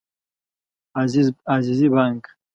عزیزي بانګ